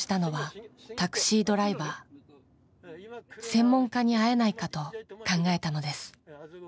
専門家に会えないかと考えたのです。